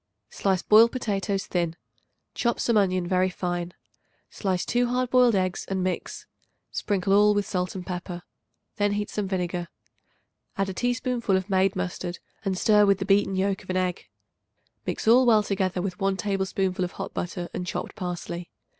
Slice boiled potatoes thin; chop some onion very fine; slice 2 hard boiled eggs and mix. Sprinkle all with salt and pepper. Then heat some vinegar. Add a teaspoonful of made mustard and stir with the beaten yolk of an egg. Mix all together with 1 tablespoonful of hot butter and chopped parsley.